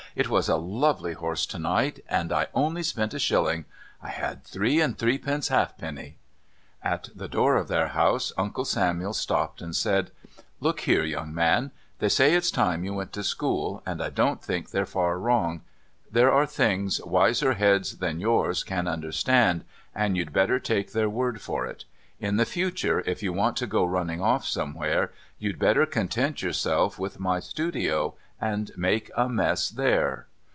"It was a lovely horse to night... And I only spent a shilling. I had three and threepence halfpenny." At the door of their house Uncle Samuel stopped and said: "Look here, young man, they say it's time you went to school, and I don't think they're far wrong. There are things wiser heads than yours can understand, and you'd better take their word for it. In the future, if you want to go running off somewhere, you'd better content yourself with my studio and make a mess there."